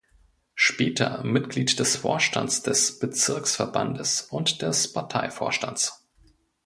Später Mitglied des Vorstands des Bezirksverbandes und des Parteivorstands.